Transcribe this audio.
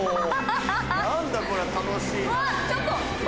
何だこれは楽しいな。